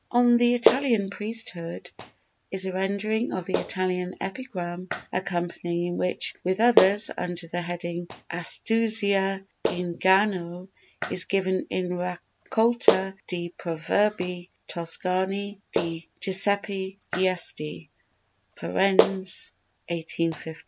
"On the Italian Priesthood" is a rendering of the Italian epigram accompanying it which, with others under the heading "Astuzia, Inganno," is given in Raccolta di Proverbi Toscani di Giuseppe Giusti (Firenze, 1853).